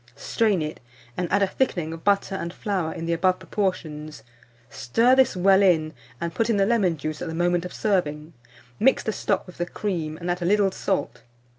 Strain it, and add a thickening of butter and flour in the above proportions; stir this well in, and put in the lemon juice at the moment of serving; mix the stock with the cream, and add a little salt.